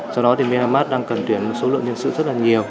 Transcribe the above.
do đó thì myanmar đang cần tuyển số lượng nhân sự rất là nhiều